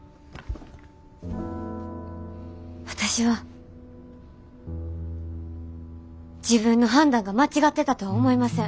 私は自分の判断が間違ってたとは思いません。